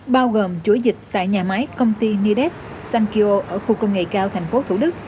bao gồm chuỗi dịch tại nhà máy công ty nidex sankeo ở khu công nghệ cao tp thủ đức